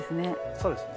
そうですね。